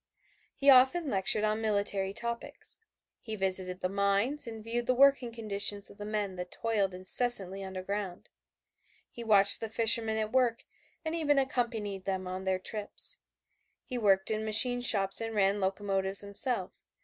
He often lectured on military topics. He visited the mines and viewed the working conditions of the men that toiled incessantly underground. He watched the fishermen at work and even accompanied them on their trips; he worked in machine shops and ran locomotives himself.